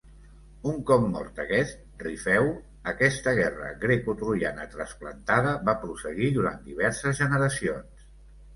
Un cop mort aquest Rifeu, aquesta guerra grecotroiana "trasplantada" va prosseguir durant diverses generacions.